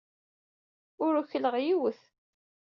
Ukleɣ yiwet.